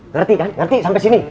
ngerti kan nanti sampai sini